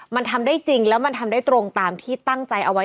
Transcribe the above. มันทำได้จริงแล้วมันทำได้ตรงตามที่ตั้งใจเอาไว้